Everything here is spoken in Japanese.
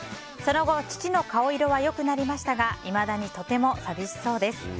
その後、父の顔色は良くなりましたがいまだにとても寂しそうです。